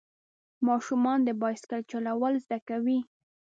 ماشومان د بایسکل چلول زده کوي.